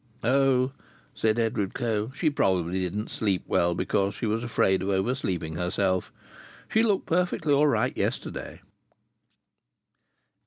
"Oh!" said Edward Coe, "she probably didn't sleep well because she was afraid of oversleeping herself. She looked perfectly all right yesterday."